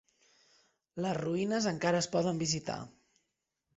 Les ruïnes encara es poden visitar.